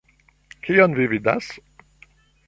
Kion vi vidas?